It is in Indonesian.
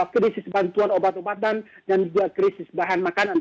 krisis bantuan obat obatan dan juga krisis bahan makanan